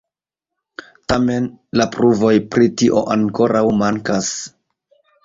Tamen, la pruvoj pri tio ankoraŭ mankas.